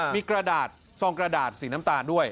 มีกระดาษซองกระดาษสีน้ำตาลด้วย